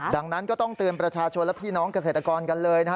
ดังนั้นก็ต้องเตือนประชาชนและพี่น้องเกษตรกรกันเลยนะฮะ